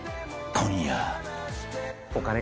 ［今夜］